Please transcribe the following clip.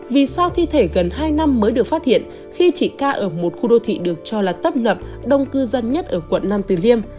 vì sao thi thể gần hai năm mới được phát hiện khi chị ca ở một khu đô thị được cho là tấp nập đông cư dân nhất ở quận nam từ liêm